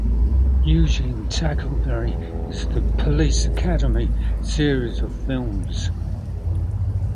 Eugene Tackleberry in the "Police Academy" series of films.